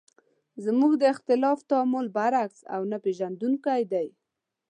زموږ د اختلاف تعامل برعکس او نه پېژندونکی دی.